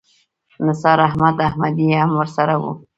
نثار احمد احمدي هم ورسره و.